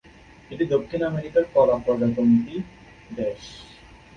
এটি দক্ষিণ আমেরিকার কলা প্রজাতন্ত্রী দেশ।